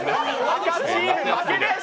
赤チームの負けです。